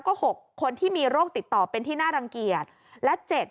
ก็๖คนที่มีโรคติดต่อเป็นที่น่ารังเกียจและ๗